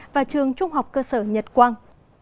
và trường trung học cơ sở nhật quang